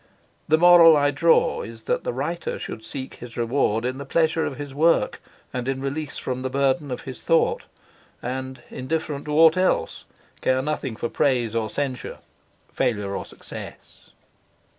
The moral I draw is that the writer should seek his reward in the pleasure of his work and in release from the burden of his thought; and, indifferent to aught else, care nothing for praise or censure, failure or success.